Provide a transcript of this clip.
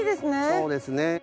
そうですね。